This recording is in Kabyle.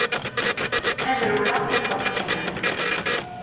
Ad rewleɣ si lbaṭel-inem.